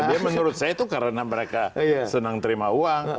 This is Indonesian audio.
dia menurut saya itu karena mereka senang terima uang